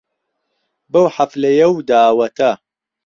بهو حهفلهیه و داوهته